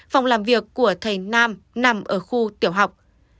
phòng làm việc của thầy nam nằm ở khu tiểu học